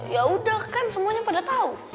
yaudah kan semuanya pada tau